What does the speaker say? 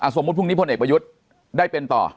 สมมุติพรุ่งนี้พลเอกประยุทธ์ได้เป็นต่อ